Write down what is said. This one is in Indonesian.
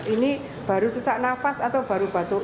ini baru sesak nafas atau baru batur